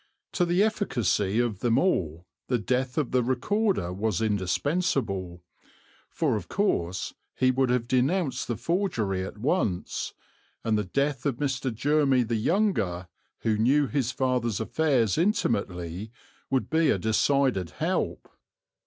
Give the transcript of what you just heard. To the efficacy of them all the death of the Recorder was indispensable, for of course he would have denounced the forgery at once, and the death of Mr. Jermy the younger, who knew his father's affairs intimately, would be a decided help.